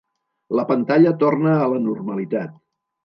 La pantalla torna a la normalitat.